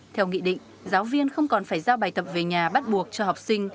theo nghị định giáo viên không còn phải giao bài tập về nhà bắt buộc cho học sinh